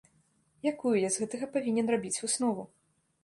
Якую я з гэтага павінен рабіць выснову?